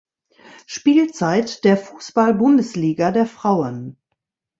Spielzeit der Fußball-Bundesliga der Frauen.